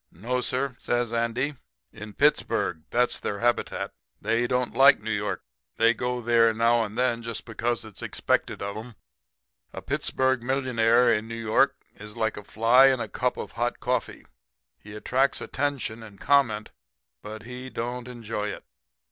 "'No, sir,' says Andy, 'in Pittsburg. That's their habitat. They don't like New York. They go there now and then just because it's expected of 'em.' "'A Pittsburg millionaire in New York is like a fly in a cup of hot coffee he attracts attention and comment, but he don't enjoy it.